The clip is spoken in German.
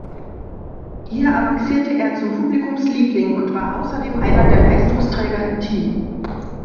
Hier avancierte er zum Publikumsliebling und war außerdem einer der Leistungsträger im Team.